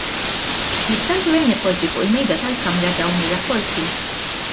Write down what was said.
Jista' l-gvern ipoġġi fuq il-Mejda tal-Kamra dawn ir-rapporti?